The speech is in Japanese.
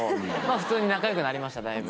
普通に仲良くなりましただいぶ。